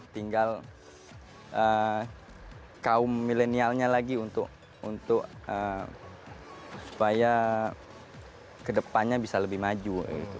tinggal kaum milenialnya lagi untuk supaya kedepannya bisa lebih maju